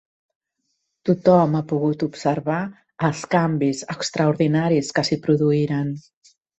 Tothom ha pogut observar els canvis extraordinaris que s'hi produïren